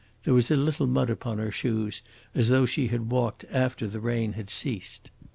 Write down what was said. There was a little mud upon her shoes, as though she had walked after the rain had ceased.